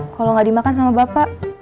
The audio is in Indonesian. kalau gak dimakan sama bapak